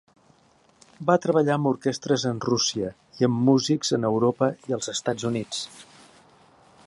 Va treballar amb orquestres en Rússia, i amb músics en Europa i els Estats Units.